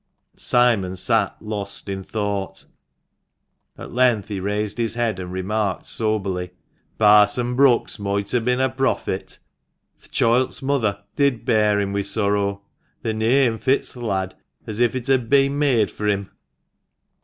Simon sat lost in thought At length he raised his head, and remarked soberly —" Parson Brookes moight ha' bin a prophet ; th' choilt's mother did bear him wi' sorrow. The neame fits th' lad as if it had bin meade for him."